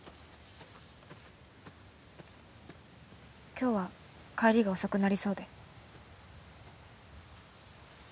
今日は帰りが遅くなりそうで。